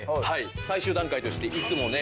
最終段階としていつもね